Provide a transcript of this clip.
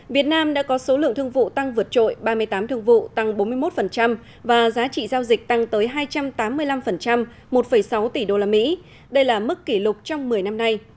việt nam đã có số lượng thương vụ tăng vượt trội ba mươi tám thương vụ tăng bốn mươi một và giá trị giao dịch tăng tới hai trăm tám mươi năm một sáu tỷ usd đây là mức kỷ lục trong một mươi năm nay